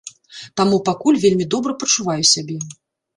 Таму пакуль вельмі добра пачуваю сябе.